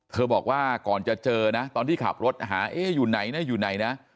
เธอบอกว่าก่อนจะเจอตอนที่ขับรถหาเอ๊ะอยู่ไหนอยู่ไหน